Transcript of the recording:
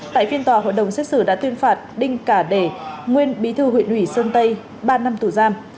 tại phiên tòa hội đồng xét xử đã tuyên phạt đinh cả đề nguyên bí thư huyện ủy sơn tây ba năm tù giam